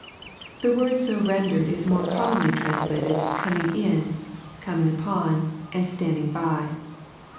} The word so rendered is more commonly trans lated " coming in," " coming upon," and " standing by."